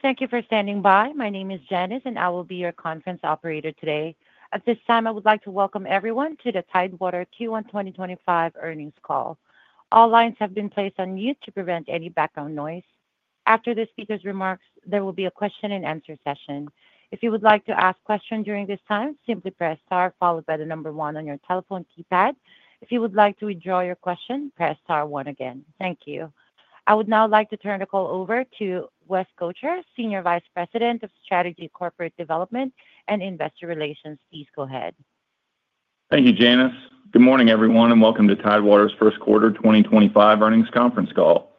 Thank you for standing by. My name is Janice, and I will be your conference operator today. At this time, I would like to welcome everyone to the Tidewater Q1 2025 Earnings Call. All lines have been placed on mute to prevent any background noise. After the speaker's remarks, there will be a question-and-answer session. If you would like to ask a question during this time, simply press star followed by the number one on your telephone keypad. If you would like to withdraw your question, press star one again. Thank you. I would now like to turn the call over to West Gotcher, Senior Vice President of Strategy, Corporate Development, and Investor Relations. Please go ahead. Thank you, Janice. Good morning, everyone, and welcome to Tidewater's first quarter 2025 earnings conference call.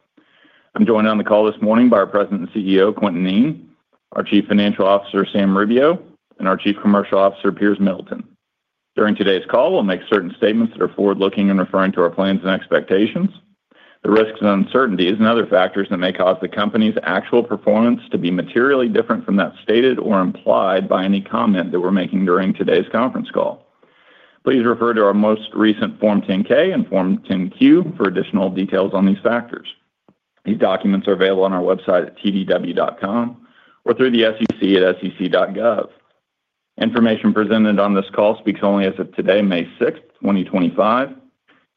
I'm joined on the call this morning by our President and CEO, Quintin Kneen, our Chief Financial Officer, Sam Rubio, and our Chief Commercial Officer, Piers Middleton. During today's call, we'll make certain statements that are forward-looking and referring to our plans and expectations, the risks and uncertainties, and other factors that may cause the company's actual performance to be materially different from that stated or implied by any comment that we're making during today's conference call. Please refer to our most recent Form 10-K and Form 10-Q for additional details on these factors. These documents are available on our website at tdw.com or through the SEC at sec.gov. Information presented on this call speaks only as of today, May 6th, 2025.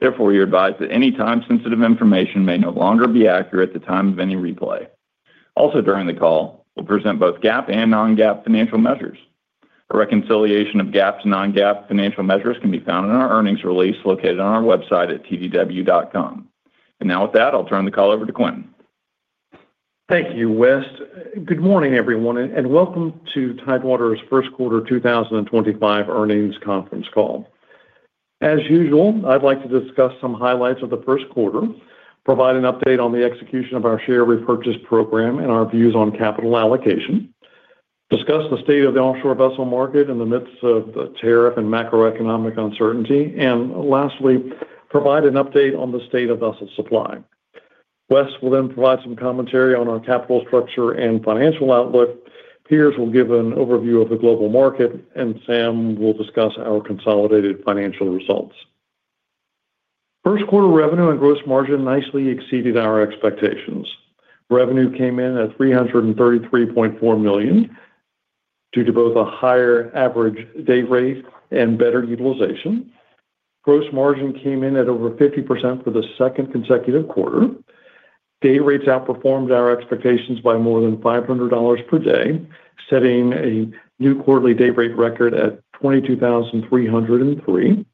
Therefore, you're advised that any time-sensitive information may no longer be accurate at the time of any replay. Also, during the call, we'll present both GAAP and non-GAAP financial measures. A reconciliation of GAAP and non-GAAP financial measures can be found in our earnings release located on our website at tdw.com. With that, I'll turn the call over to Quintin. Thank you, West. Good morning, everyone, and welcome to Tidewater's first quarter 2025 earnings conference call. As usual, I'd like to discuss some highlights of the first quarter, provide an update on the execution of our share repurchase program, and our views on capital allocation, discuss the state of the offshore vessel market in the midst of the tariff and macroeconomic uncertainty, and lastly, provide an update on the state of vessel supply. West will then provide some commentary on our capital structure and financial outlook. Piers will give an overview of the global market, and Sam will discuss our consolidated financial results. First quarter revenue and gross margin nicely exceeded our expectations. Revenue came in at $333.4 million due to both a higher average day rate and better utilization. Gross margin came in at over 50% for the second consecutive quarter. Day rates outperformed our expectations by more than $500 per day, setting a new quarterly day rate record at $22,303.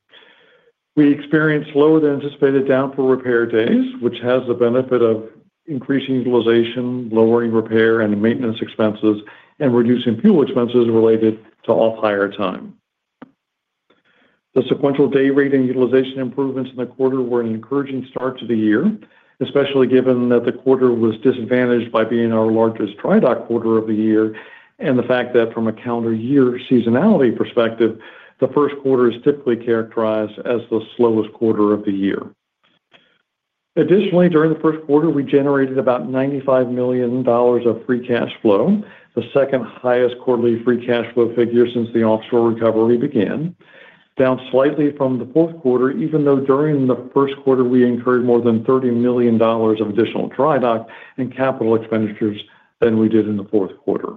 We experienced lower than anticipated down for repair days, which has the benefit of increasing utilization, lowering repair and maintenance expenses, and reducing fuel expenses related to off-hire time. The sequential day rate and utilization improvements in the quarter were an encouraging start to the year, especially given that the quarter was disadvantaged by being our largest dry dock quarter of the year and the fact that from a calendar year seasonality perspective, the first quarter is typically characterized as the slowest quarter of the year. Additionally, during the first quarter, we generated about $95 million of free cash flow, the second highest quarterly free cash flow figure since the offshore recovery began, down slightly from the fourth quarter, even though during the first quarter we incurred more than $30 million of additional dry dock and capital expenditures than we did in the fourth quarter.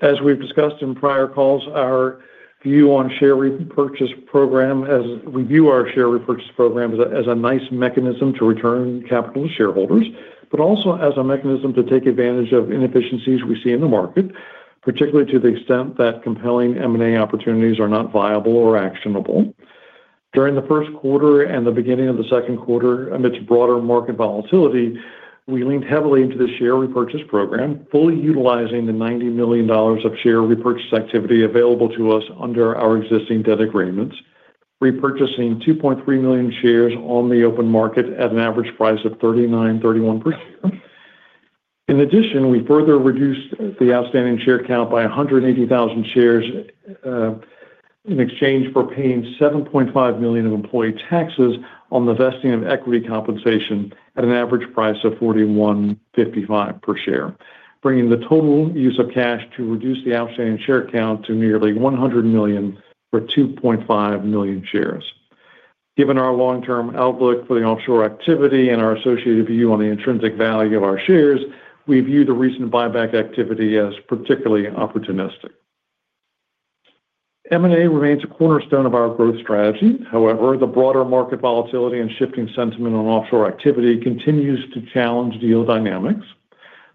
As we've discussed in prior calls, our view on share repurchase program is we view our share repurchase program as a nice mechanism to return capital to shareholders, but also as a mechanism to take advantage of inefficiencies we see in the market, particularly to the extent that compelling M&A opportunities are not viable or actionable. During the first quarter and the beginning of the second quarter, amidst broader market volatility, we leaned heavily into the share repurchase program, fully utilizing the $90 million of share repurchase activity available to us under our existing debt agreements, repurchasing 2.3 million shares on the open market at an average price of $39.31 per share. In addition, we further reduced the outstanding share count by 180,000 shares in exchange for paying $7.5 million of employee taxes on the vesting of equity compensation at an average price of $41.55 per share, bringing the total use of cash to reduce the outstanding share count to nearly $100 million for 2.5 million shares. Given our long-term outlook for the offshore activity and our associated view on the intrinsic value of our shares, we view the recent buyback activity as particularly opportunistic. M&A remains a cornerstone of our growth strategy. However, the broader market volatility and shifting sentiment on offshore activity continues to challenge deal dynamics.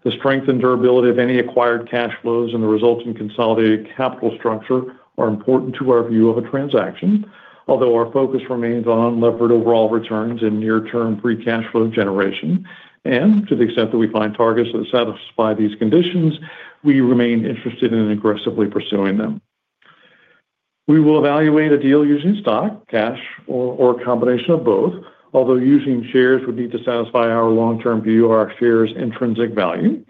The strength and durability of any acquired cash flows and the resulting consolidated capital structure are important to our view of a transaction, although our focus remains on unlevered overall returns and near-term free cash flow generation. To the extent that we find targets that satisfy these conditions, we remain interested in aggressively pursuing them. We will evaluate a deal using stock, cash, or a combination of both, although using shares would need to satisfy our long-term view of our shares' intrinsic value.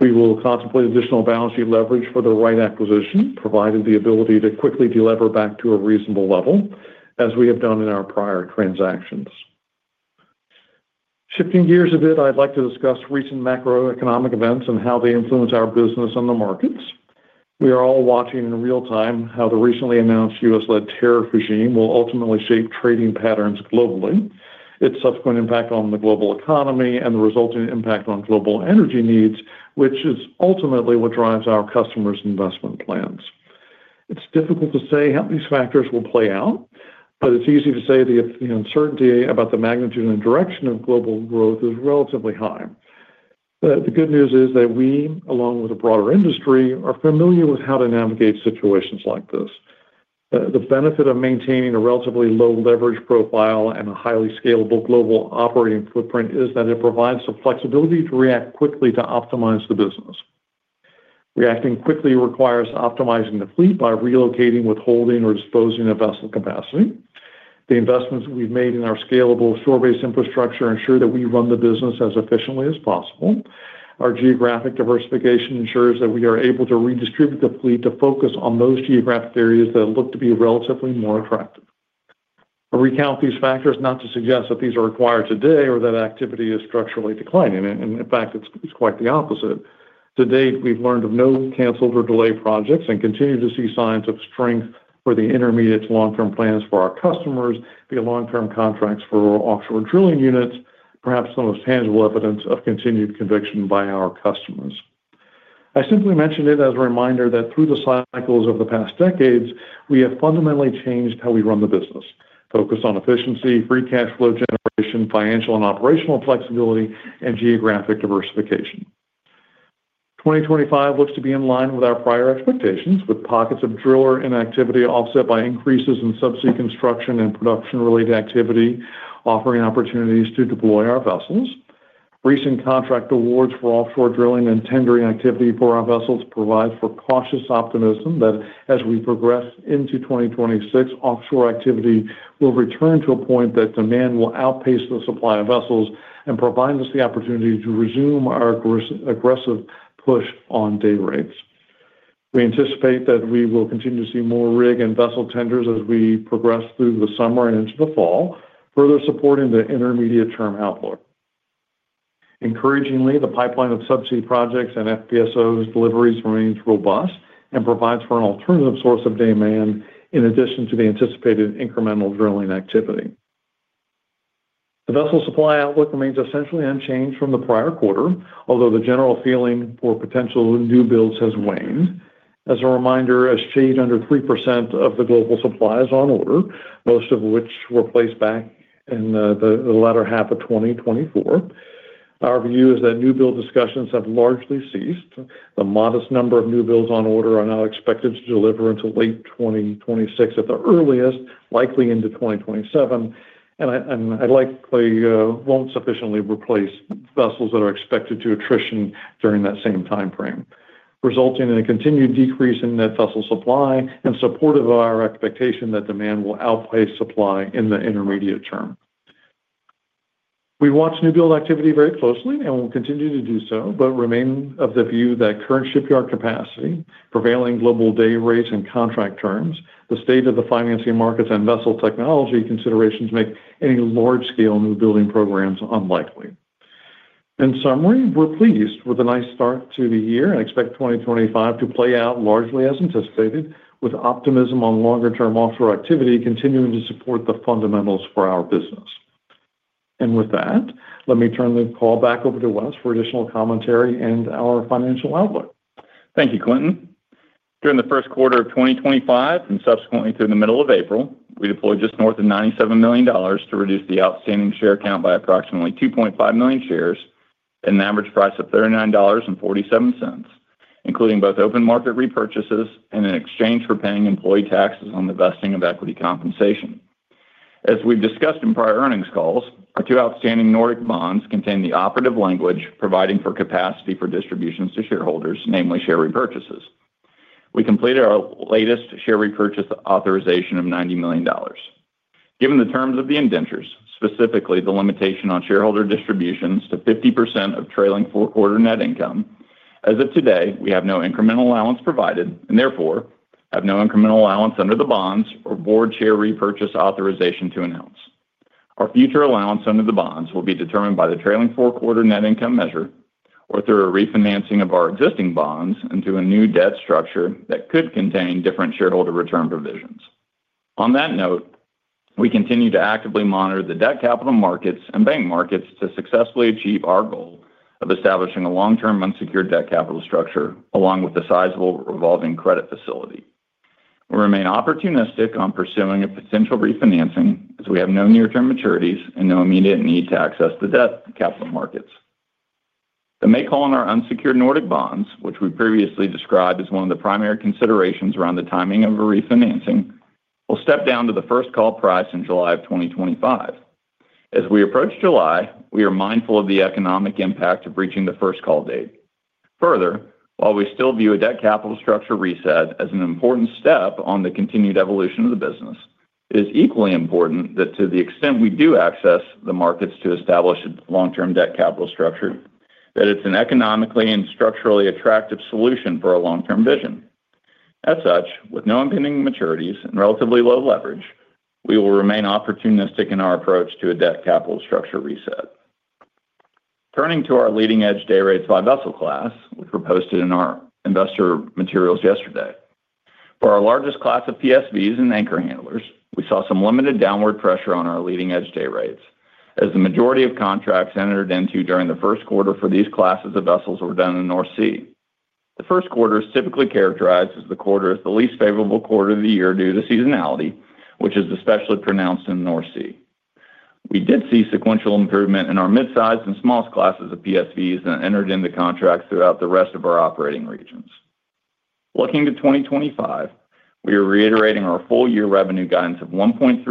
We will contemplate additional balance sheet leverage for the right acquisition, provided the ability to quickly deliver back to a reasonable level, as we have done in our prior transactions. Shifting gears a bit, I'd like to discuss recent macroeconomic events and how they influence our business and the markets. We are all watching in real time how the recently announced U.S.-led tariff regime will ultimately shape trading patterns globally, its subsequent impact on the global economy, and the resulting impact on global energy needs, which is ultimately what drives our customers' investment plans. It's difficult to say how these factors will play out, but it's easy to say that the uncertainty about the magnitude and direction of global growth is relatively high. The good news is that we, along with a broader industry, are familiar with how to navigate situations like this. The benefit of maintaining a relatively low leverage profile and a highly scalable global operating footprint is that it provides some flexibility to react quickly to optimize the business. Reacting quickly requires optimizing the fleet by relocating, withholding, or disposing of vessel capacity. The investments we've made in our scalable shore-based infrastructure ensure that we run the business as efficiently as possible. Our geographic diversification ensures that we are able to redistribute the fleet to focus on those geographic areas that look to be relatively more attractive. I recount these factors not to suggest that these are acquired today or that activity is structurally declining. In fact, it's quite the opposite. To date, we've learned of no canceled or delayed projects and continue to see signs of strength for the intermediate to long-term plans for our customers, be it long-term contracts for offshore drilling units, perhaps the most tangible evidence of continued conviction by our customers. I simply mention it as a reminder that through the cycles of the past decades, we have fundamentally changed how we run the business, focused on efficiency, free cash flow generation, financial and operational flexibility, and geographic diversification. 2025 looks to be in line with our prior expectations, with pockets of driller inactivity offset by increases in subsea construction and production-related activity offering opportunities to deploy our vessels. Recent contract awards for offshore drilling and tendering activity for our vessels provide for cautious optimism that as we progress into 2026, offshore activity will return to a point that demand will outpace the supply of vessels and provide us the opportunity to resume our aggressive push on day rates. We anticipate that we will continue to see more rig and vessel tenders as we progress through the summer and into the fall, further supporting the intermediate-term outlook. Encouragingly, the pipeline of subsea projects and FPSO remains robust and provides for an alternative source of demand in addition to the anticipated incremental drilling activity. The vessel supply outlook remains essentially unchanged from the prior quarter, although the general feeling for potential new builds has waned. As a reminder, a shade under 3% of the global supply is on order, most of which were placed back in the latter half of 2024. Our view is that new build discussions have largely ceased. The modest number of new builds on order are now expected to deliver until late 2026 at the earliest, likely into 2027. I likely won't sufficiently replace vessels that are expected to attrition during that same time frame, resulting in a continued decrease in net vessel supply and supportive of our expectation that demand will outpace supply in the intermediate term. We watch new build activity very closely and will continue to do so, but remain of the view that current shipyard capacity, prevailing global day rates, and contract terms, the state of the financing markets, and vessel technology considerations make any large-scale new building programs unlikely. In summary, we're pleased with a nice start to the year and expect 2025 to play out largely as anticipated, with optimism on longer-term offshore activity continuing to support the fundamentals for our business. With that, let me turn the call back over to West for additional commentary and our financial outlook. Thank you, Quintin. During the first quarter of 2025 and subsequently through the middle of April, we deployed just north of $97 million to reduce the outstanding share count by approximately 2.5 million shares at an average price of $39.47, including both open market repurchases and an exchange for paying employee taxes on the vesting of equity compensation. As we've discussed in prior earnings calls, our two outstanding Nordic bonds contain the operative language providing for capacity for distributions to shareholders, namely share repurchases. We completed our latest share repurchase authorization of $90 million. Given the terms of the indentures, specifically the limitation on shareholder distributions to 50% of trailing four-quarter net income, as of today, we have no incremental allowance provided and therefore have no incremental allowance under the bonds or board share repurchase authorization to announce. Our future allowance under the bonds will be determined by the trailing four-quarter net income measure or through a refinancing of our existing bonds into a new debt structure that could contain different shareholder return provisions. On that note, we continue to actively monitor the debt capital markets and bank markets to successfully achieve our goal of establishing a long-term unsecured debt capital structure along with a sizable revolving credit facility. We remain opportunistic on pursuing a potential refinancing as we have no near-term maturities and no immediate need to access the debt capital markets. The make call on our unsecured Nordic bonds, which we previously described as one of the primary considerations around the timing of a refinancing, will step down to the first call price in July of 2025. As we approach July, we are mindful of the economic impact of reaching the first call date. Further, while we still view a debt capital structure reset as an important step on the continued evolution of the business, it is equally important that to the extent we do access the markets to establish a long-term debt capital structure, that it's an economically and structurally attractive solution for a long-term vision. As such, with no impending maturities and relatively low leverage, we will remain opportunistic in our approach to a debt capital structure reset. Turning to our leading-edge day rates by vessel class, which were posted in our investor materials yesterday. For our largest class of PSVs and anchor handlers, we saw some limited downward pressure on our leading-edge day rates as the majority of contracts entered into during the first quarter for these classes of vessels were done in the North Sea. The first quarter is typically characterized as the quarter is the least favorable quarter of the year due to seasonality, which is especially pronounced in the North Sea. We did see sequential improvement in our mid-size and smallest classes of PSVs that entered into contracts throughout the rest of our operating regions. Looking to 2025, we are reiterating our full-year revenue guidance of $1.32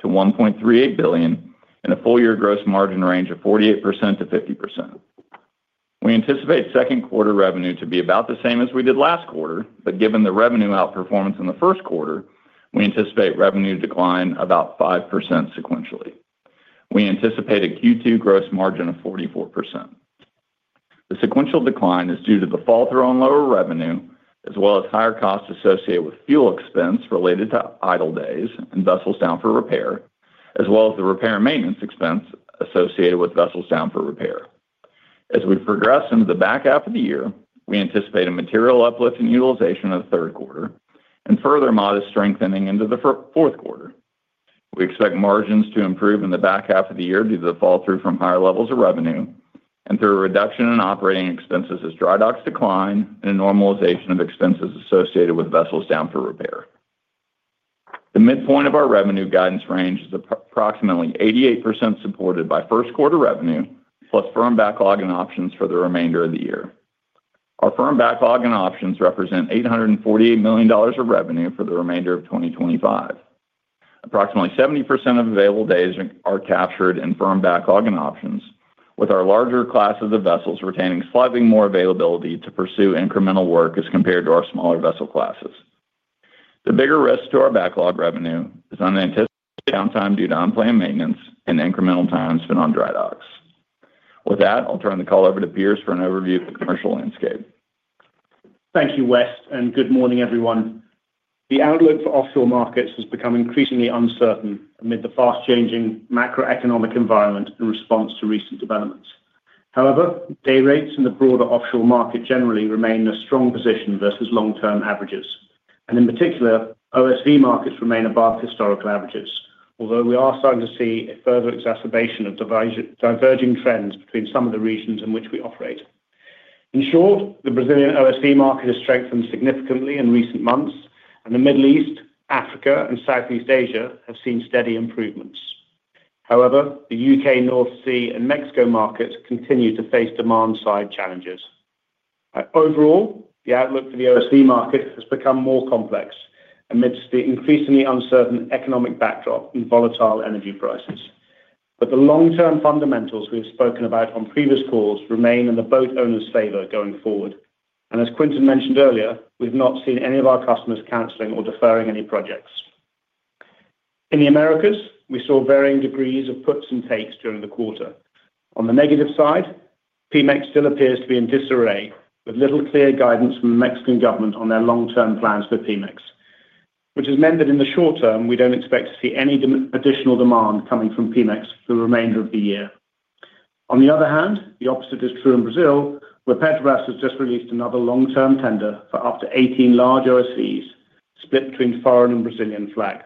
billion-$1.38 billion and a full-year gross margin range of 48%-50%. We anticipate second quarter revenue to be about the same as we did last quarter, but given the revenue outperformance in the first quarter, we anticipate revenue decline about 5% sequentially. We anticipate a Q2 gross margin of 44%. The sequential decline is due to the fall through on lower revenue, as well as higher costs associated with fuel expense related to idle days and vessels down for repair, as well as the repair and maintenance expense associated with vessels down for repair. As we progress into the back half of the year, we anticipate a material uplift in utilization of the third quarter and further modest strengthening into the fourth quarter. We expect margins to improve in the back half of the year due to the fall through from higher levels of revenue and through a reduction in operating expenses as dry docks decline and a normalization of expenses associated with vessels down for repair. The midpoint of our revenue guidance range is approximately 88% supported by first quarter revenue plus firm backlog and options for the remainder of the year. Our firm backlog and options represent $848 million of revenue for the remainder of 2025. Approximately 70% of available days are captured in firm backlog and options, with our larger classes of vessels retaining slightly more availability to pursue incremental work as compared to our smaller vessel classes. The bigger risk to our backlog revenue is unanticipated downtime due to unplanned maintenance and incremental times spent on dry docks. With that, I'll turn the call over to Piers for an overview of the commercial landscape. Thank you, West, and good morning, everyone. The outlook for offshore markets has become increasingly uncertain amid the fast-changing macroeconomic environment in response to recent developments. However, day rates and the broader offshore market generally remain in a strong position versus long-term averages. In particular, OSV markets remain above historical averages, although we are starting to see a further exacerbation of diverging trends between some of the regions in which we operate. In short, the Brazilian OSV market has strengthened significantly in recent months, and the Middle East, Africa, and Southeast Asia have seen steady improvements. However, the U.K., North Sea, and Mexico markets continue to face demand-side challenges. Overall, the outlook for the OSV market has become more complex amidst the increasingly uncertain economic backdrop and volatile energy prices. The long-term fundamentals we have spoken about on previous calls remain in the boat owner's favor going forward. As Quintin mentioned earlier, we've not seen any of our customers canceling or deferring any projects. In the Americas, we saw varying degrees of puts and takes during the quarter. On the negative side, Pemex still appears to be in disarray with little clear guidance from the Mexican government on their long-term plans for Pemex, which has meant that in the short term, we don't expect to see any additional demand coming from Pemex for the remainder of the year. On the other hand, the opposite is true in Brazil, where Petrobras has just released another long-term tender for up to 18 large OSVs split between foreign and Brazilian flag.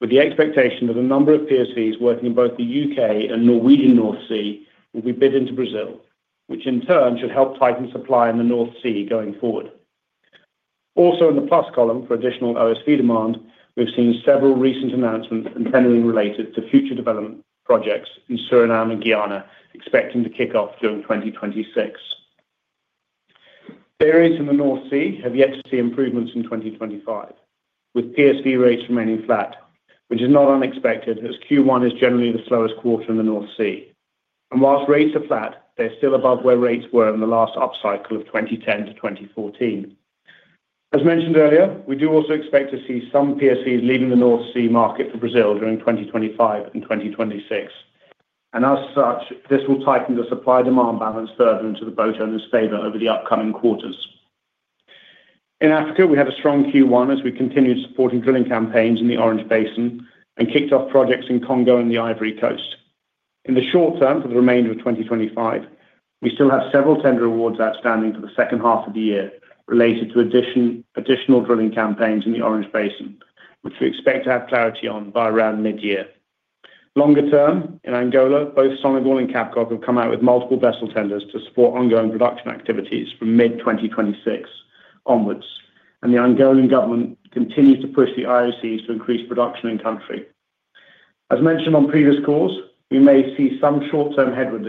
With the expectation that a number of PSVs working in both the U.K. and Norwegian North Sea will be bid into Brazil, which in turn should help tighten supply in the North Sea going forward. Also in the plus column for additional OSV demand, we've seen several recent announcements and tendering related to future development projects in Suriname and Guyana expecting to kick off during 2026. Areas in the North Sea have yet to see improvements in 2025, with PSV rates remaining flat, which is not unexpected as Q1 is generally the slowest quarter in the North Sea. Whilst rates are flat, they're still above where rates were in the last upcycle of 2010-2014. As mentioned earlier, we do also expect to see some PSVs leaving the North Sea market for Brazil during 2025 and 2026. As such, this will tighten the supply-demand balance further into the boat owner's favor over the upcoming quarters. In Africa, we had a strong Q1 as we continued supporting drilling campaigns in the Orange Basin and kicked off projects in Congo and the Ivory Coast. In the short term for the remainder of 2025, we still have several tender awards outstanding for the second half of the year related to additional drilling campaigns in the Orange Basin, which we expect to have clarity on by around mid-year. Longer term, in Angola, both Sonangol and CABGOC have come out with multiple vessel tenders to support ongoing production activities from mid-2026 onwards. The Angolan government continues to push the IOCs to increase production in country. As mentioned on previous calls, we may see some short-term headwinds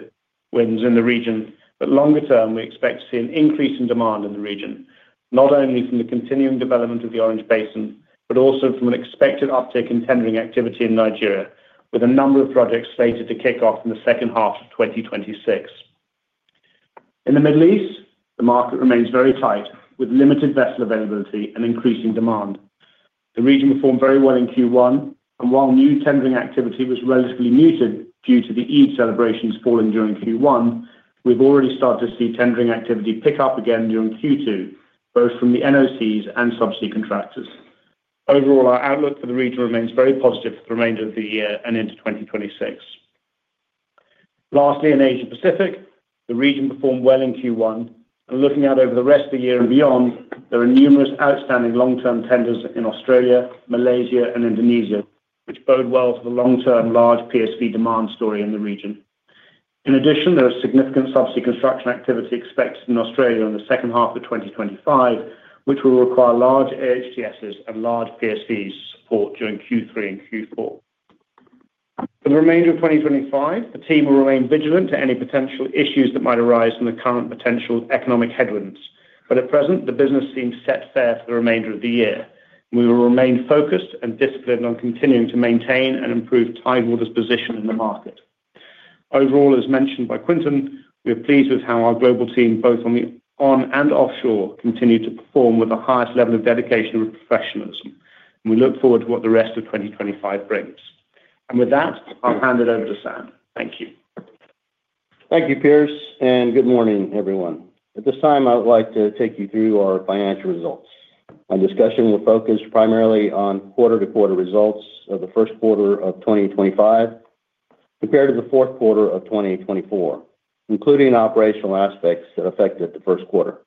in the region, but longer term, we expect to see an increase in demand in the region, not only from the continuing development of the Orange Basin, but also from an expected uptick in tendering activity in Nigeria, with a number of projects slated to kick off in the second half of 2026. In the Middle East, the market remains very tight with limited vessel availability and increasing demand. The region performed very well in Q1, and while new tendering activity was relatively muted due to the Eid celebrations falling during Q1, we've already started to see tendering activity pick up again during Q2, both from the NOCs and subsea contractors. Overall, our outlook for the region remains very positive for the remainder of the year and into 2026. Lastly, in Asia-Pacific, the region performed well in Q1. Looking out over the rest of the year and beyond, there are numerous outstanding long-term tenders in Australia, Malaysia, and Indonesia, which bode well for the long-term large PSV demand story in the region. In addition, there is significant subsea construction activity expected in Australia in the second half of 2025, which will require large AHTSs and large PSVs to support during Q3 and Q4. For the remainder of 2025, the team will remain vigilant to any potential issues that might arise from the current potential economic headwinds. At present, the business seems set fair for the remainder of the year. We will remain focused and disciplined on continuing to maintain and improve Tidewater's position in the market. Overall, as mentioned by Quintin, we are pleased with how our global team, both on and offshore, continued to perform with the highest level of dedication and professionalism. We look forward to what the rest of 2025 brings. With that, I'll hand it over to Sam. Thank you. Thank you, Piers. Good morning, everyone. At this time, I would like to take you through our financial results. My discussion will focus primarily on quarter-to-quarter results of the first quarter of 2025 compared to the fourth quarter of 2024, including operational aspects that affected the first quarter.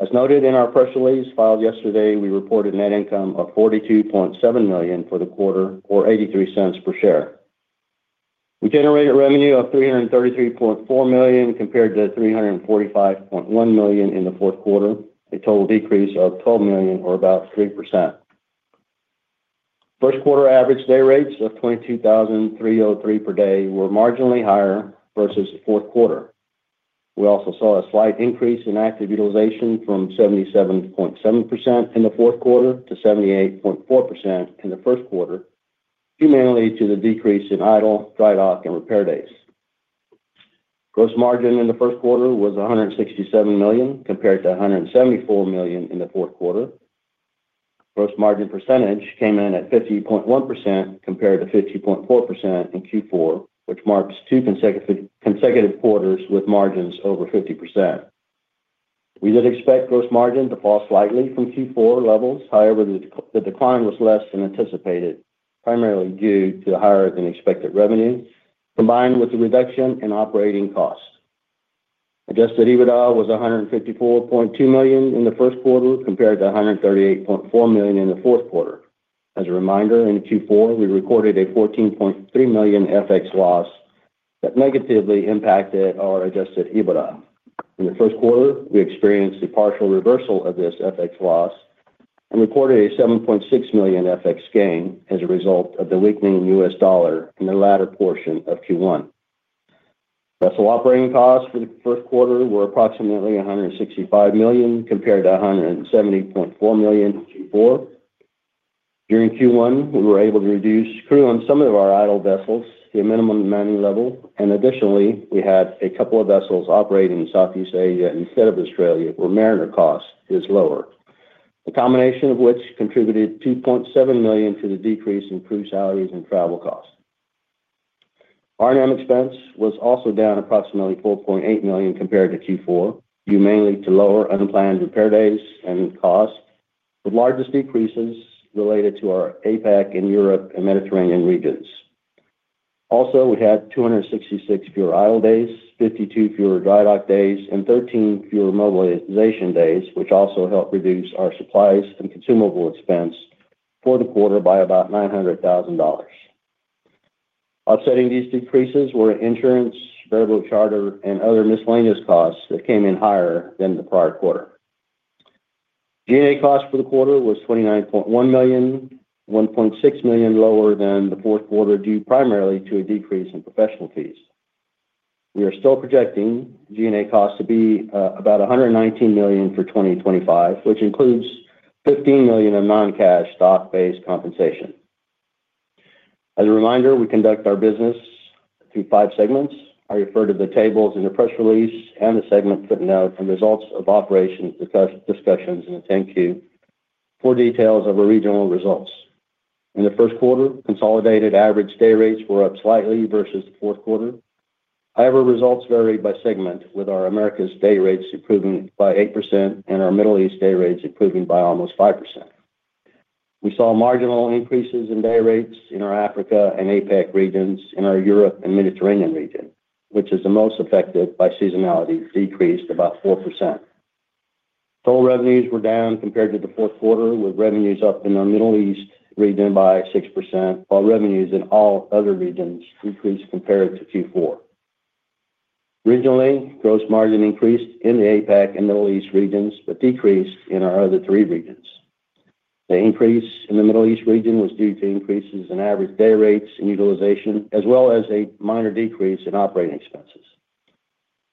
As noted in our press release filed yesterday, we reported net income of $42.7 million for the quarter, or $0.83 per share. We generated revenue of $333.4 million compared to $345.1 million in the fourth quarter, a total decrease of $12 million, or about 3%. First quarter average day rates of $22,303 per day were marginally higher versus the fourth quarter. We also saw a slight increase in active utilization from 77.7% in the fourth quarter to 78.4% in the first quarter, cumulative to the decrease in idle, dry dock, and repair days. Gross margin in the first quarter was $167 million compared to $174 million in the fourth quarter. Gross margin percentage came in at 50.1% compared to 50.4% in Q4, which marks two consecutive quarters with margins over 50%. We did expect gross margin to fall slightly from Q4 levels. However, the decline was less than anticipated, primarily due to the higher-than-expected revenue combined with the reduction in operating costs. Adjusted EBITDA was $154.2 million in the first quarter compared to $138.4 million in the fourth quarter. As a reminder, in Q4, we recorded a $14.3 million FX loss that negatively impacted our adjusted EBITDA. In the first quarter, we experienced a partial reversal of this FX loss and recorded a $7.6 million FX gain as a result of the weakening U.S. dollar in the latter portion of Q1. Vessel operating costs for the first quarter were approximately $165 million compared to $170.4 million in Q4. During Q1, we were able to reduce crew on some of our idle vessels to a minimum manned level. Additionally, we had a couple of vessels operating in Southeast Asia instead of Australia, where mariner cost is lower, the combination of which contributed $2.7 million to the decrease in crew salaries and travel costs. R&M expense was also down approximately $4.8 million compared to Q4, due mainly to lower unplanned repair days and cost, with largest decreases related to our APAC and Europe and Mediterranean regions. Also, we had 266 fewer idle days, 52 fewer dry dock days, and 13 fewer mobilization days, which also helped reduce our supplies and consumable expense for the quarter by about $900,000. Offsetting these decreases were insurance, variable charter, and other miscellaneous costs that came in higher than the prior quarter. G&A cost for the quarter was $29.1 million, $1.6 million lower than the fourth quarter, due primarily to a decrease in professional fees. We are still projecting G&A costs to be about $119 million for 2025, which includes $15 million of non-cash stock-based compensation. As a reminder, we conduct our business through five segments. I refer to the tables in the press release and the segment footnote and results of operations discussions in the 10Q for details of our regional results. In the first quarter, consolidated average day rates were up slightly versus the fourth quarter. However, results varied by segment, with our America's day rates improving by 8% and our Middle East day rates improving by almost 5%. We saw marginal increases in day rates in our Africa and APAC regions and our Europe and Mediterranean region, which is the most affected by seasonality, decreased about 4%. Total revenues were down compared to the fourth quarter, with revenues up in our Middle East region by 6%, while revenues in all other regions increased compared to Q4. Regionally, gross margin increased in the APAC and Middle East regions, but decreased in our other three regions. The increase in the Middle East region was due to increases in average day rates and utilization, as well as a minor decrease in operating expenses.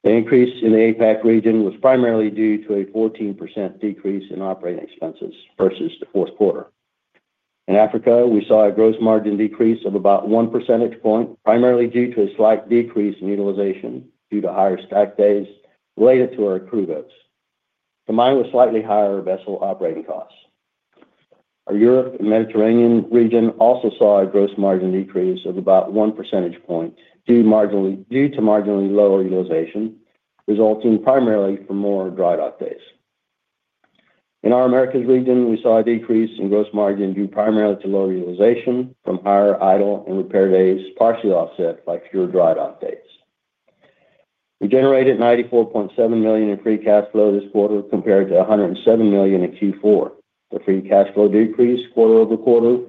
The increase in the APAC region was primarily due to a 14% decrease in operating expenses versus the fourth quarter. In Africa, we saw a gross margin decrease of about one percentage point, primarily due to a slight decrease in utilization due to higher stack days related to our crew boats, combined with slightly higher vessel operating costs. Our Europe and Mediterranean region also saw a gross margin decrease of about one percentage point due to marginally lower utilization, resulting primarily from more dry dock days. In our America's region, we saw a decrease in gross margin due primarily to low utilization from higher idle and repair days, partially offset by fewer dry dock days. We generated $94.7 million in free cash flow this quarter compared to $107 million in Q4. The free cash flow decrease quarter over quarter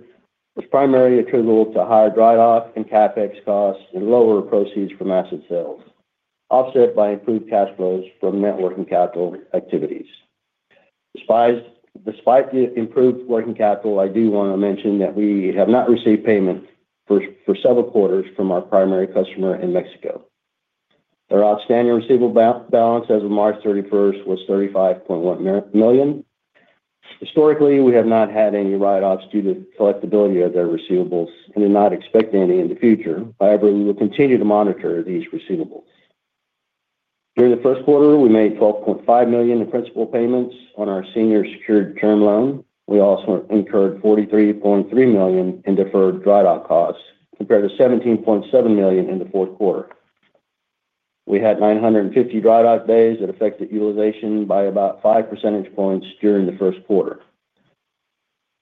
was primarily attributable to higher dry dock and CapEx costs and lower proceeds from asset sales, offset by improved cash flows from net working capital activities. Despite the improved working capital, I do want to mention that we have not received payment for several quarters from our primary customer in Mexico. Their outstanding receivable balance as of March 31st was $35.1 million. Historically, we have not had any write-offs due to collectibility of their receivables and do not expect any in the future. However, we will continue to monitor these receivables. During the first quarter, we made $12.5 million in principal payments on our senior secured term loan. We also incurred $43.3 million in deferred dry dock costs compared to $17.7 million in the fourth quarter. We had 950 dry dock days that affected utilization by about five percentage points during the first quarter.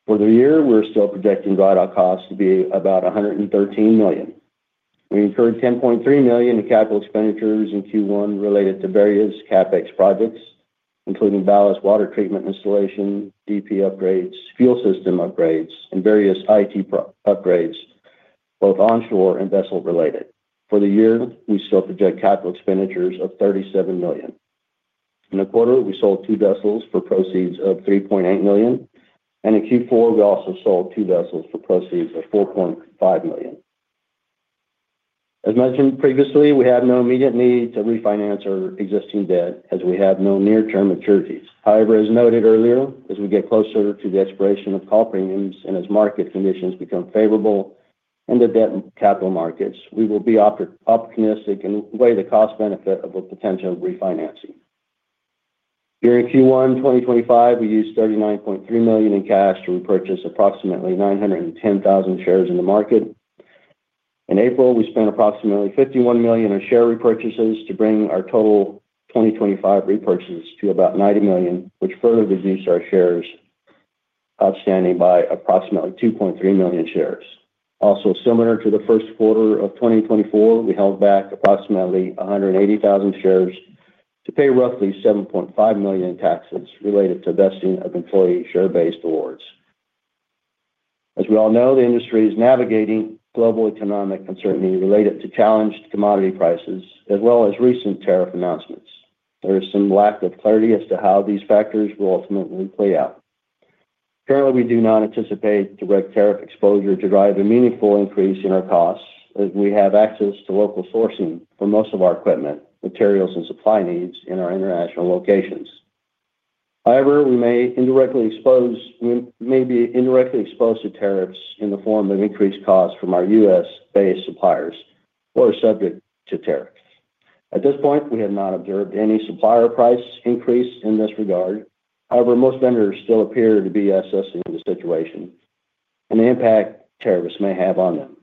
For the year, we're still projecting dry dock costs to be about $113 million. We incurred $10.3 million in capital expenditures in Q1 related to various CapEx projects, including ballast water treatment installation, DP upgrades, fuel system upgrades, and various IT upgrades, both onshore and vessel-related. For the year, we still project capital expenditures of $37 million. In the quarter, we sold two vessels for proceeds of $3.8 million. In Q4, we also sold two vessels for proceeds of $4.5 million. As mentioned previously, we have no immediate need to refinance our existing debt as we have no near-term maturities. However, as noted earlier, as we get closer to the expiration of call premiums and as market conditions become favorable in the debt capital markets, we will be optimistic in weighing the cost-benefit of a potential refinancing. During Q1 2025, we used $39.3 million in cash to repurchase approximately 910,000 shares in the market. In April, we spent approximately $51 million in share repurchases to bring our total 2025 repurchases to about $90 million, which further reduced our shares outstanding by approximately 2.3 million shares. Also, similar to the first quarter of 2024, we held back approximately 180,000 shares to pay roughly $7.5 million in taxes related to vesting of employee share-based awards. As we all know, the industry is navigating global economic uncertainty related to challenged commodity prices, as well as recent tariff announcements. There is some lack of clarity as to how these factors will ultimately play out. Currently, we do not anticipate direct tariff exposure to drive a meaningful increase in our costs as we have access to local sourcing for most of our equipment, materials, and supply needs in our international locations. However, we may be indirectly exposed to tariffs in the form of increased costs from our U.S.-based suppliers who are subject to tariffs. At this point, we have not observed any supplier price increase in this regard. However, most vendors still appear to be assessing the situation and the impact tariffs may have on them.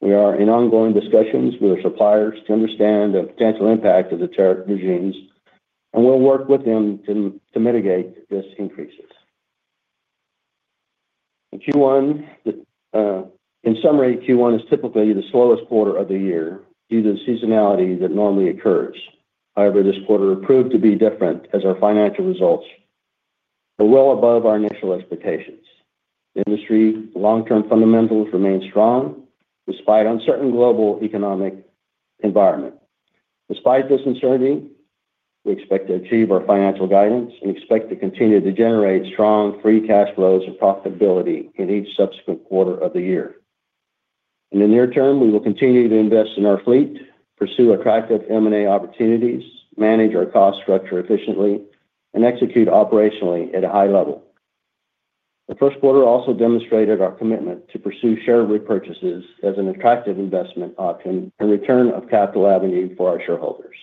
We are in ongoing discussions with our suppliers to understand the potential impact of the tariff regimes, and we'll work with them to mitigate these increases. In summary, Q1 is typically the slowest quarter of the year due to the seasonality that normally occurs. However, this quarter proved to be different as our financial results were well above our initial expectations. The industry's long-term fundamentals remain strong despite uncertain global economic environment. Despite this uncertainty, we expect to achieve our financial guidance and expect to continue to generate strong free cash flows and profitability in each subsequent quarter of the year. In the near term, we will continue to invest in our fleet, pursue attractive M&A opportunities, manage our cost structure efficiently, and execute operationally at a high level. The first quarter also demonstrated our commitment to pursue share repurchases as an attractive investment option and return of capital avenue for our shareholders.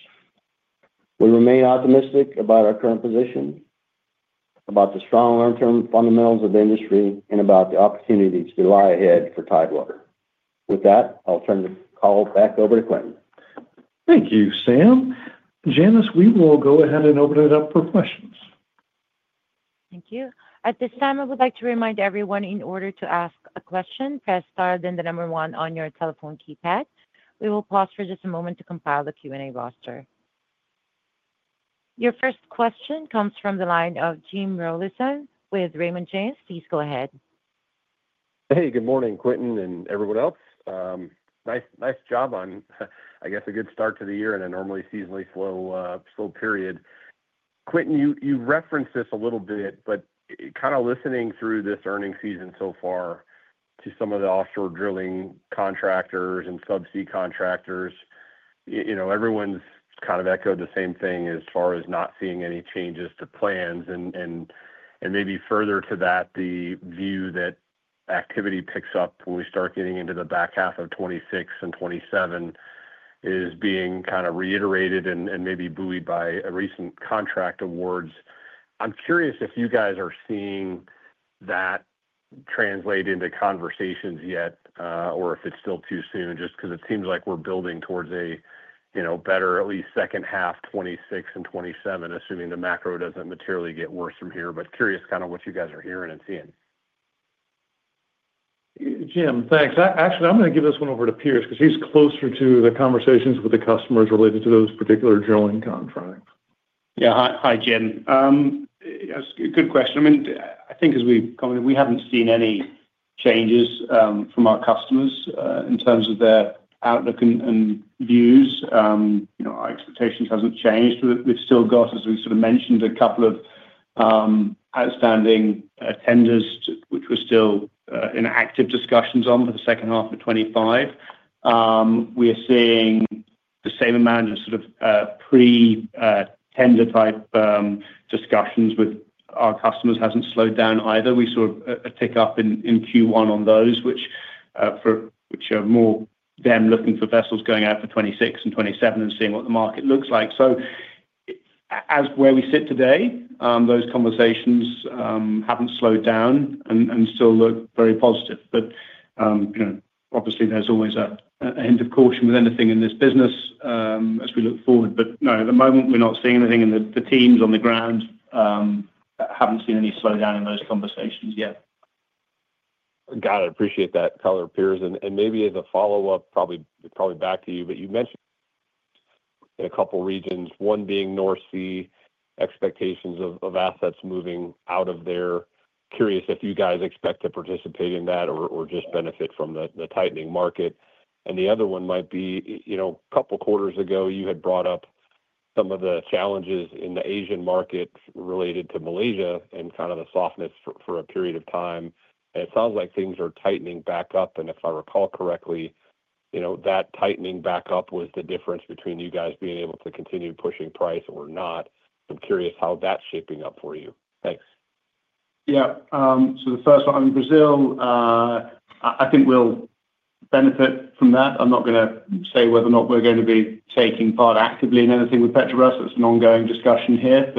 We remain optimistic about our current position, about the strong long-term fundamentals of the industry, and about the opportunities that lie ahead for Tidewater. With that, I'll turn the call back over to Quintin. Thank you, Sam. Janice, we will go ahead and open it up for questions. Thank you. At this time, I would like to remind everyone, in order to ask a question, press star then the number one on your telephone keypad. We will pause for just a moment to compile the Q&A roster. Your first question comes from the line of Jim Rollyson with Raymond James. Please go ahead. Hey, good morning, Quintin and everyone else. Nice job on, I guess, a good start to the year in a normally seasonally slow period. Quintin, you referenced this a little bit, but kind of listening through this earnings season so far to some of the offshore drilling contractors and subsea contractors, everyone's kind of echoed the same thing as far as not seeing any changes to plans. Maybe further to that, the view that activity picks up when we start getting into the back half of 2026 and 2027 is being kind of reiterated and maybe buoyed by recent contract awards. I'm curious if you guys are seeing that translate into conversations yet, or if it's still too soon, just because it seems like we're building towards a better, at least, second half 2026 and 2027, assuming the macro doesn't materially get worse from here. Curious kind of what you guys are hearing and seeing. Jim, thanks. Actually, I'm going to give this one over to Piers because he's closer to the conversations with the customers related to those particular drilling contracts. Yeah. Hi, Jim. Good question. I mean, I think as we've gone in, we haven't seen any changes from our customers in terms of their outlook and views. Our expectations haven't changed. We've still got, as we sort of mentioned, a couple of outstanding tenders, which we're still in active discussions on for the second half of 2025. We are seeing the same amount of sort of pre-tender type discussions with our customers hasn't slowed down either. We saw a tick up in Q1 on those, which are more them looking for vessels going out for 2026 and 2027 and seeing what the market looks like. As where we sit today, those conversations haven't slowed down and still look very positive. Obviously, there's always a hint of caution with anything in this business as we look forward. No, at the moment, we're not seeing anything. The teams on the ground have not seen any slowdown in those conversations yet. Got it. Appreciate that, Color. Piers, and maybe as a follow-up, probably back to you, but you mentioned in a couple of regions, one being North Sea expectations of assets moving out of there. Curious if you guys expect to participate in that or just benefit from the tightening market. The other one might be a couple of quarters ago, you had brought up some of the challenges in the Asian market related to Malaysia and kind of the softness for a period of time. It sounds like things are tightening back up. If I recall correctly, that tightening back up was the difference between you guys being able to continue pushing price or not. I'm curious how that's shaping up for you. Thanks. Yeah. The first one in Brazil, I think we'll benefit from that. I'm not going to say whether or not we're going to be taking part actively in anything with Petrobras. That's an ongoing discussion here.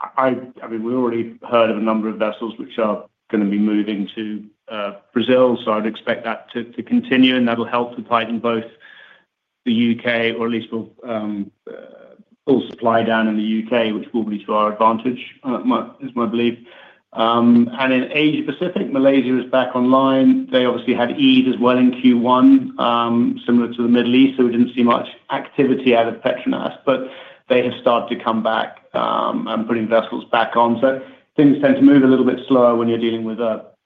I mean, we already heard of a number of vessels which are going to be moving to Brazil. I would expect that to continue, and that'll help to tighten both the U.K., or at least will pull supply down in the U.K., which will be to our advantage, is my belief. In Asia-Pacific, Malaysia is back online. They obviously had Eid as well in Q1, similar to the Middle East, so we didn't see much activity out of PETRONAS, but they have started to come back and putting vessels back on. Things tend to move a little bit slower when you're dealing with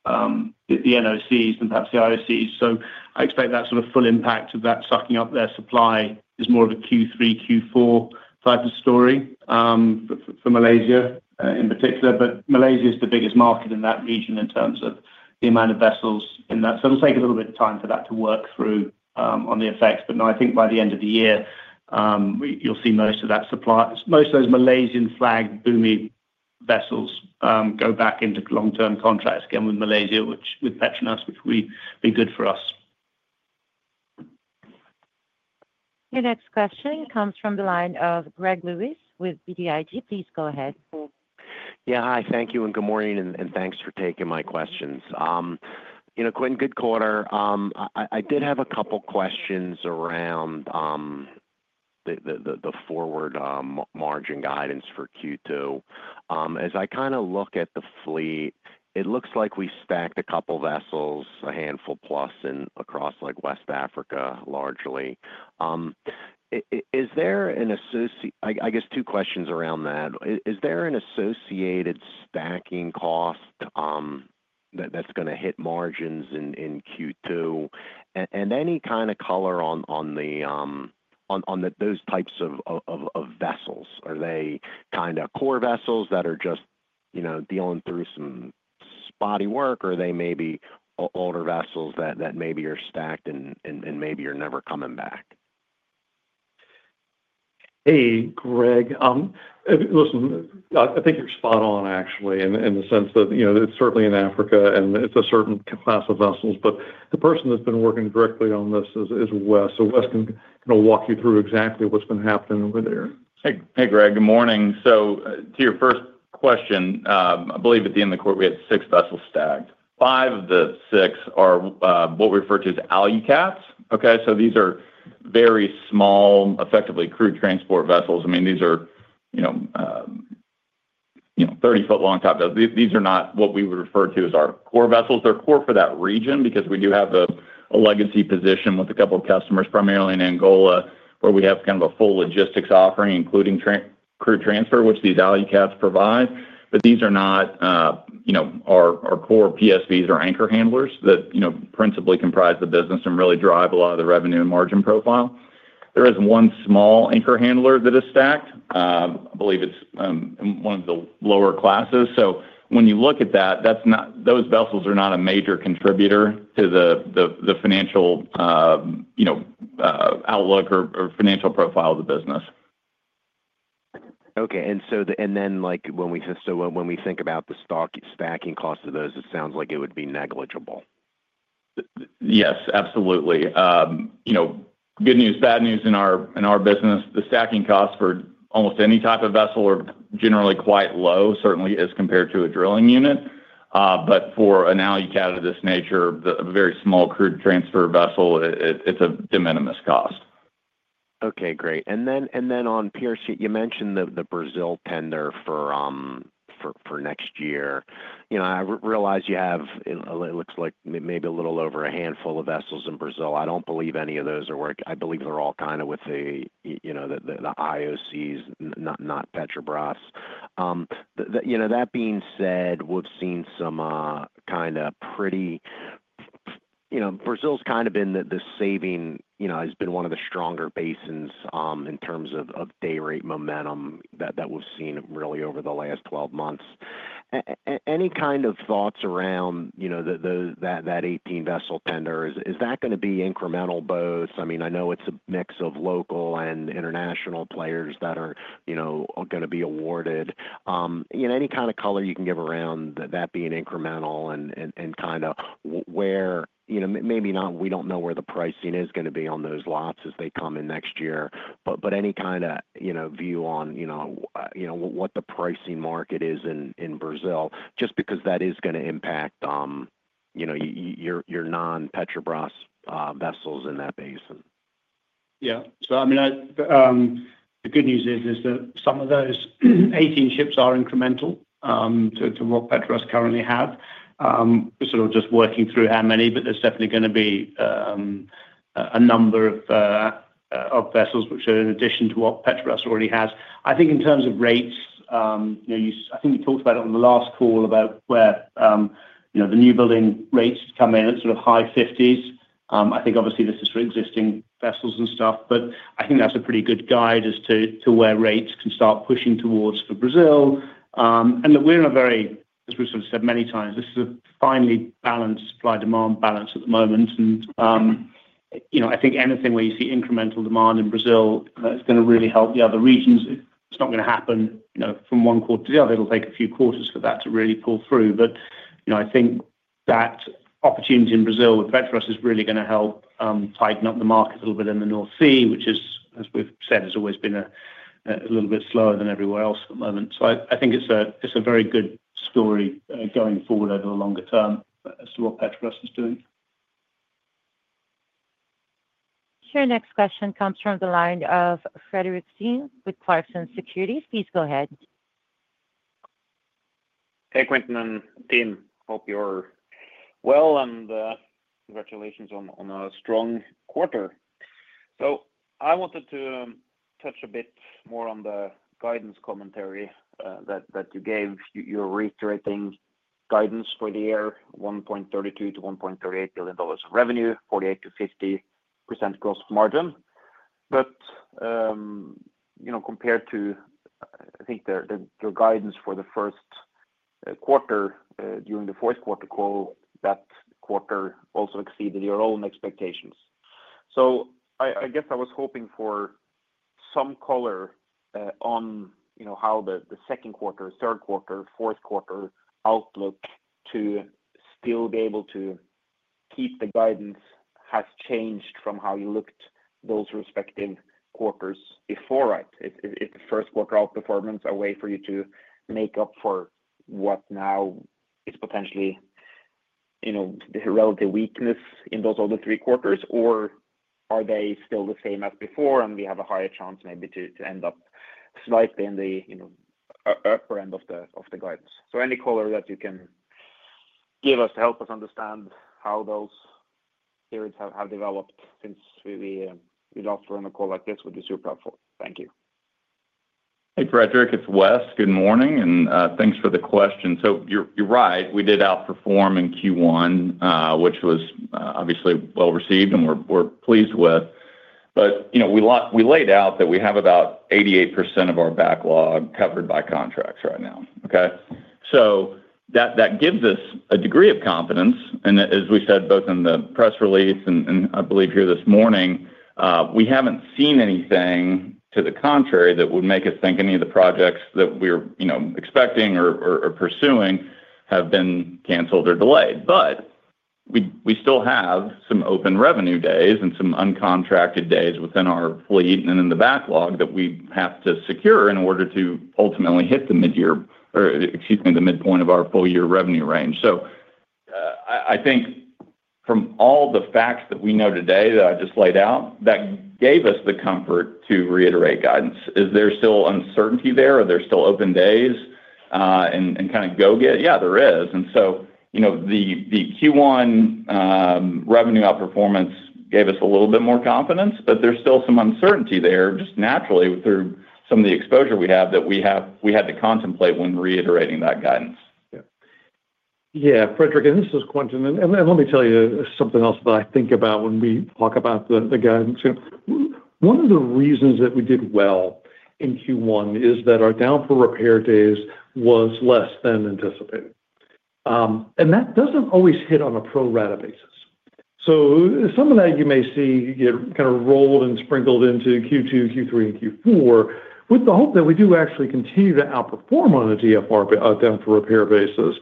the NOCs and perhaps the IOCs. I expect that sort of full impact of that sucking up their supply is more of a Q3, Q4 type of story for Malaysia in particular. Malaysia is the biggest market in that region in terms of the amount of vessels in that. It'll take a little bit of time for that to work through on the effects. No, I think by the end of the year, you'll see most of that supply, most of those Malaysian-flagged boomy vessels go back into long-term contracts again with Malaysia, with PETRONAS, which will be good for us. Your next question comes from the line of Greg Lewis with BTIG. Please go ahead. Yeah. Hi, thank you, and good morning, and thanks for taking my questions. Quintin, good quarter. I did have a couple of questions around the forward margin guidance for Q2. As I kind of look at the fleet, it looks like we stacked a couple of vessels, a handful plus, across West Africa largely. Is there an associated, I guess, two questions around that. Is there an associated stacking cost that's going to hit margins in Q2? Any kind of color on those types of vessels? Are they kind of core vessels that are just dealing through some spotty work, or are they maybe older vessels that maybe are stacked and maybe are never coming back? Hey, Greg. Listen, I think you're spot on, actually, in the sense that it's certainly in Africa, and it's a certain class of vessels. The person that's been working directly on this is West. West can kind of walk you through exactly what's been happening over there. Hey, Greg. Good morning. To your first question, I believe at the end of the quarter, we had six vessels stacked. Five of the six are what we refer to as [ALUCATS]. Okay? These are very small, effectively crew transport vessels. I mean, these are 30-foot long, top. These are not what we would refer to as our core vessels. They're core for that region because we do have a legacy position with a couple of customers, primarily in Angola, where we have kind of a full logistics offering, including crew transfer, which these alu cats provide. These are not our core PSVs or anchor handlers that principally comprise the business and really drive a lot of the revenue and margin profile. There is one small anchor handler that is stacked. I believe it's one of the lower classes. When you look at that, those vessels are not a major contributor to the financial outlook or financial profile of the business. Okay. When we think about the stacking costs of those, it sounds like it would be negligible. Yes, absolutely. Good news, bad news in our business. The stacking costs for almost any type of vessel are generally quite low, certainly as compared to a drilling unit. For an [ALUCAT] of this nature, a very small crew transfer vessel, it is a de minimis cost. Okay. Great. On Piers, you mentioned the Brazil tender for next year. I realize you have, it looks like, maybe a little over a handful of vessels in Brazil. I do not believe any of those are working. I believe they are all kind of with the IOCs, not Petrobras. That being said, we have seen some kind of pretty—Brazil has kind of been the saving—has been one of the stronger basins in terms of day rate momentum that we have seen really over the last 12 months. Any kind of thoughts around that 18-vessel tender? Is that going to be incremental boats? I mean, I know it is a mix of local and international players that are going to be awarded. Any kind of color you can give around that being incremental and kind of where maybe not we do not know where the pricing is going to be on those lots as they come in next year. Any kind of view on what the pricing market is in Brazil, just because that is going to impact your non-Petrobras vessels in that basin. Yeah. I mean, the good news is that some of those 18 ships are incremental to what Petrobras currently has. We're sort of just working through how many, but there's definitely going to be a number of vessels which are in addition to what Petrobras already has. I think in terms of rates, I think we talked about it on the last call about where the new building rates come in, it's sort of high 50s. I think obviously this is for existing vessels and stuff, but I think that's a pretty good guide as to where rates can start pushing towards for Brazil. We're in a very, as we've sort of said many times, this is a finely balanced supply-demand balance at the moment. I think anything where you see incremental demand in Brazil, that's going to really help the other regions. It's not going to happen from one quarter to the other. It'll take a few quarters for that to really pull through. I think that opportunity in Brazil with Petrobras is really going to help tighten up the market a little bit in the North Sea, which, as we've said, has always been a little bit slower than everywhere else at the moment. I think it's a very good story going forward over the longer term as to what Petrobras is doing. Your next question comes from the line of Fredrik Stene with Clarksons Securities. Please go ahead. Hey, Quintin and team. Hope you're well and congratulations on a strong quarter. I wanted to touch a bit more on the guidance commentary that you gave. You're reiterating guidance for the year: $1.32 billion-$1.38 billion of revenue, 48%-50% gross margin. Compared to, I think, your guidance for the first quarter during the fourth quarter call, that quarter also exceeded your own expectations. I guess I was hoping for some color on how the second quarter, third quarter, fourth quarter outlook to still be able to keep the guidance has changed from how you looked at those respective quarters before. Right? Is the first quarter outperformance a way for you to make up for what now is potentially the relative weakness in those other three quarters, or are they still the same as before and we have a higher chance maybe to end up slightly in the upper end of the guidance? Any color that you can give us to help us understand how those periods have developed since we last ran a call like this would be super helpful. Thank you. Hey, Fredrik. It's West. Good morning, and thanks for the question. You're right. We did outperform in Q1, which was obviously well received and we're pleased with. We laid out that we have about 88% of our backlog covered by contracts right now. That gives us a degree of confidence. As we said, both in the press release and I believe here this morning, we haven't seen anything to the contrary that would make us think any of the projects that we're expecting or pursuing have been canceled or delayed. We still have some open revenue days and some uncontracted days within our fleet and in the backlog that we have to secure in order to ultimately hit the mid-year or, excuse me, the midpoint of our full-year revenue range. I think from all the facts that we know today that I just laid out, that gave us the comfort to reiterate guidance. Is there still uncertainty there? Are there still open days and kind of go-getter? Yeah, there is. The Q1 revenue outperformance gave us a little bit more confidence, but there's still some uncertainty there just naturally through some of the exposure we have that we had to contemplate when reiterating that guidance. Yeah. Yeah, Fredrik, and this is Quintin. Let me tell you something else that I think about when we talk about the guidance. One of the reasons that we did well in Q1 is that our down for repair days was less than anticipated. That does not always hit on a pro rata basis. Some of that you may see kind of rolled and sprinkled into Q2, Q3, and Q4 with the hope that we do actually continue to outperform on a DFR, down for repair, basis.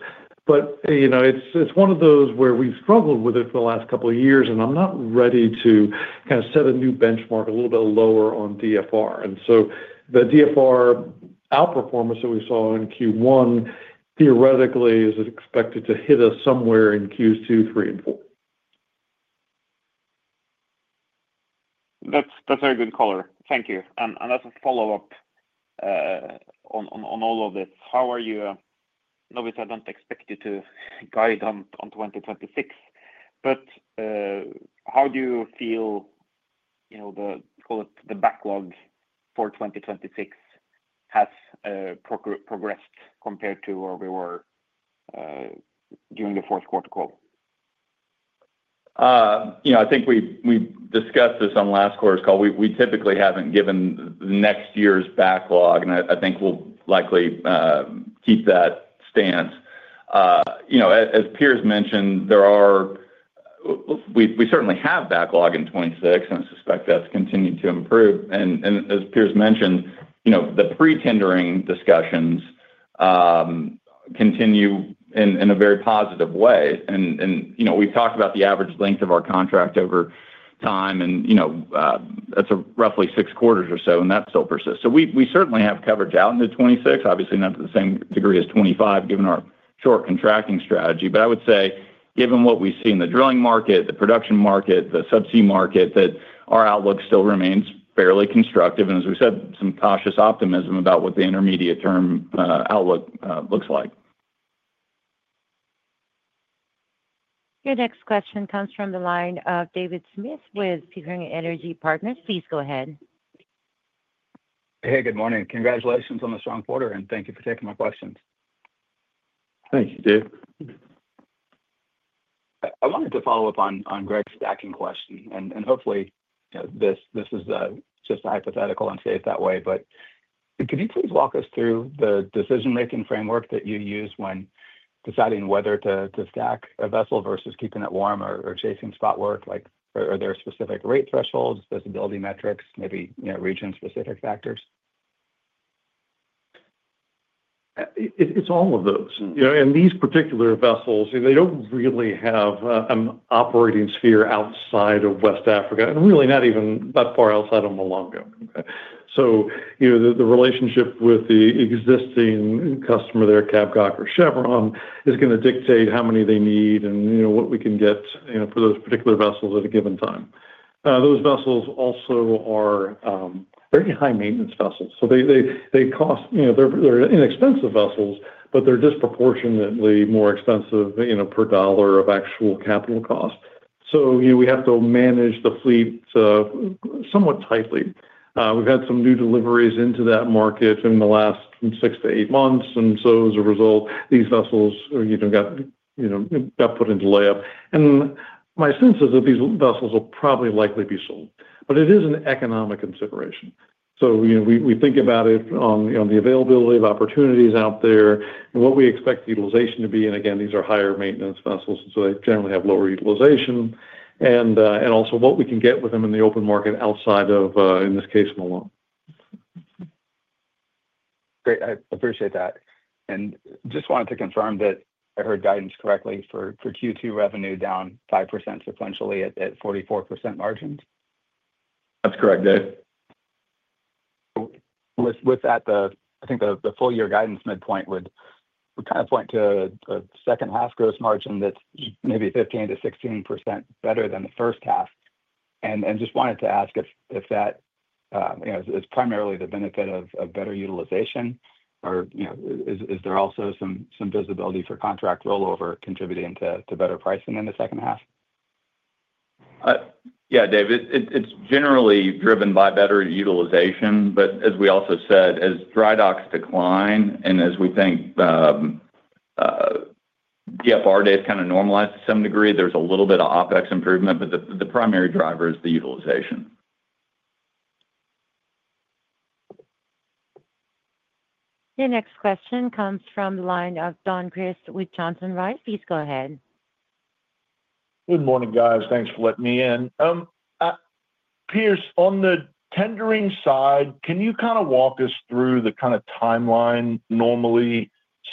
It is one of those where we have struggled with it for the last couple of years, and I am not ready to kind of set a new benchmark a little bit lower on DFR. The DFR outperformance that we saw in Q1 theoretically is expected to hit us somewhere in Q2, Q3, and Q4. That's a very good color. Thank you. As a follow-up on all of this, how are you? Nobody said I don't expect you to guide on 2026. How do you feel the backlog for 2026 has progressed compared to where we were during the fourth quarter call? I think we discussed this on last quarter's call. We typically haven't given the next year's backlog, and I think we'll likely keep that stance. As Piers mentioned, we certainly have backlog in 2026, and I suspect that's continued to improve. As Piers mentioned, the pretendering discussions continue in a very positive way. We've talked about the average length of our contract over time, and that's roughly six quarters or so, and that still persists. We certainly have coverage out into 2026, obviously not to the same degree as 2025 given our short contracting strategy. I would say, given what we see in the drilling market, the production market, the subsea market, that our outlook still remains fairly constructive. As we said, some cautious optimism about what the intermediate-term outlook looks like. Your next question comes from the line of David Smith with Pickering Energy Partners. Please go ahead. Hey, good morning. Congratulations on a strong quarter, and thank you for taking my questions. Thank you, Dave. I wanted to follow up on Greg's stacking question. Hopefully, this is just a hypothetical. I'm safe that way. Could you please walk us through the decision-making framework that you use when deciding whether to stack a vessel versus keeping it warm or chasing spot work? Are there specific rate thresholds, visibility metrics, maybe region-specific factors? It's all of those. These particular vessels, they do not really have an operating sphere outside of West Africa and really not even that far outside of Malunga. The relationship with the existing customer there, CABGOC or Chevron, is going to dictate how many they need and what we can get for those particular vessels at a given time. Those vessels also are very high-maintenance vessels. They are inexpensive vessels, but they are disproportionately more expensive per dollar of actual capital cost. We have to manage the fleet somewhat tightly. We have had some new deliveries into that market in the last six to eight months. As a result, these vessels got put into layup. My sense is that these vessels will probably likely be sold. It is an economic consideration. We think about it on the availability of opportunities out there and what we expect utilization to be. Again, these are higher-maintenance vessels, and so they generally have lower utilization. Also, what we can get with them in the open market outside of, in this case, Malunga. Great. I appreciate that. I just wanted to confirm that I heard guidance correctly for Q2 revenue down 5% sequentially at 44% margins? That's correct, Dave. With that, I think the full-year guidance midpoint would kind of point to a second-half gross margin that's maybe 15%-16% better than the first half. Just wanted to ask if that is primarily the benefit of better utilization, or is there also some visibility for contract rollover contributing to better pricing in the second half? Yeah, Dave. It's generally driven by better utilization. As we also said, as dry docks decline and as we think DFR days kind of normalize to some degree, there's a little bit of OpEx improvement, but the primary driver is the utilization. Your next question comes from the line of Don Crist with Johnson Rice. Please go ahead. Good morning, guys. Thanks for letting me in. Piers, on the tendering side, can you kind of walk us through the kind of timeline normally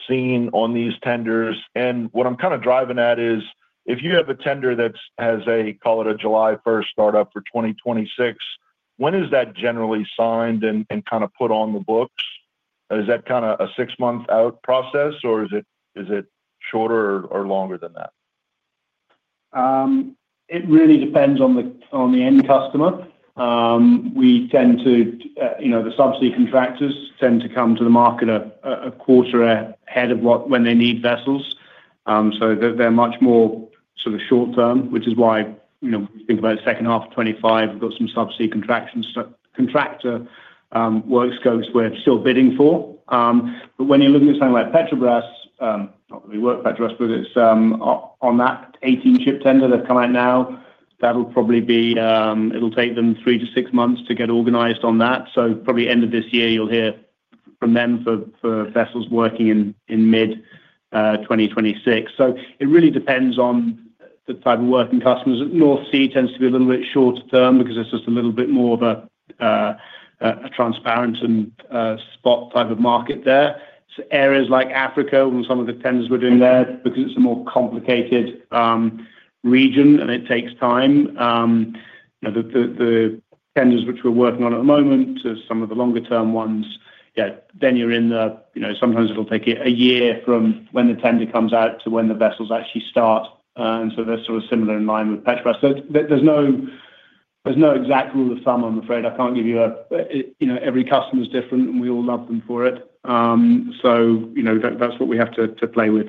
seen on these tenders? What I'm kind of driving at is if you have a tender that has a, call it a July 1st startup for 2026, when is that generally signed and kind of put on the books? Is that kind of a six-month-out process, or is it shorter or longer than that? It really depends on the end customer. We tend to, the subsea contractors tend to come to the market a quarter ahead of when they need vessels. They are much more sort of short-term, which is why we think about the second half of 2025. We've got some subsea contractor work scopes we're still bidding for. When you're looking at something like Petrobras, not that we work Petrobras, but it's on that 18-ship tender that's come out now, that'll probably be it'll take them three to six months to get organized on that. Probably end of this year, you'll hear from them for vessels working in mid-2026. It really depends on the type of working customers. North Sea tends to be a little bit shorter term because it's just a little bit more of a transparent and spot type of market there. Areas like Africa and some of the tenders we're doing there, because it's a more complicated region and it takes time. The tenders which we're working on at the moment are some of the longer-term ones. Sometimes it'll take a year from when the tender comes out to when the vessels actually start. They are sort of similar in line with Petrobras. There is no exact rule of thumb, I am afraid. I cannot give you a every customer's different, and we all love them for it. That is what we have to play with.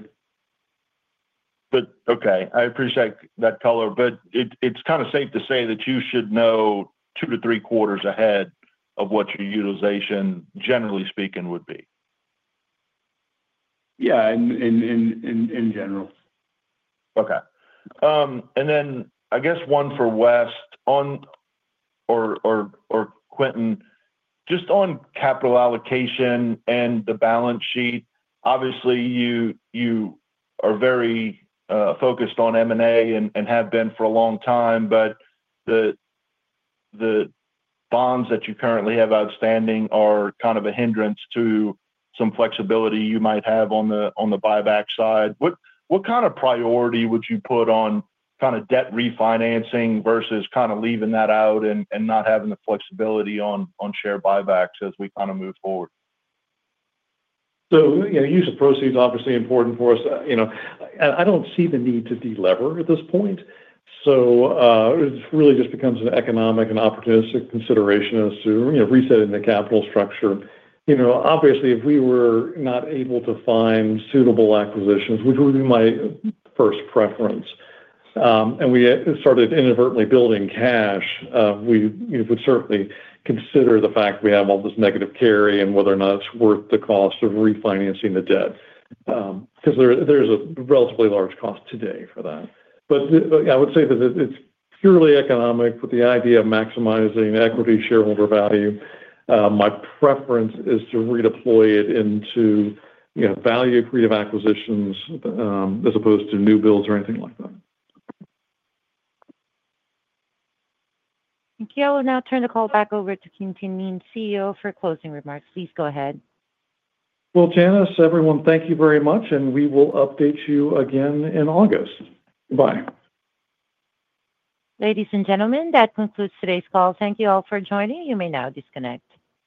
Okay. I appreciate that color. It is kind of safe to say that you should know two to three quarters ahead of what your utilization, generally speaking, would be. Yeah, in general. Okay. I guess one for West or Quintin, just on capital allocation and the balance sheet, obviously you are very focused on M&A and have been for a long time, but the bonds that you currently have outstanding are kind of a hindrance to some flexibility you might have on the buyback side. What kind of priority would you put on debt refinancing versus leaving that out and not having the flexibility on share buybacks as we move forward? Use of proceeds is obviously important for us. I do not see the need to delever at this point. It really just becomes an economic and opportunistic consideration as to resetting the capital structure. Obviously, if we were not able to find suitable acquisitions, which would be my first preference, and we started inadvertently building cash, we would certainly consider the fact we have all this negative carry and whether or not it's worth the cost of refinancing the debt because there's a relatively large cost today for that. I would say that it's purely economic with the idea of maximizing equity shareholder value. My preference is to redeploy it into value creative acquisitions as opposed to new builds or anything like that. Thank you. I will now turn the call back over to Quintin Kneen, CEO, for closing remarks. Please go ahead. Janice, everyone, thank you very much, and we will update you again in August. Goodbye. Ladies and gentlemen, that concludes today's call. Thank you all for joining. You may now disconnect.